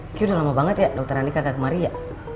gigi udah lama banget ya dokter andi kagak kemari ya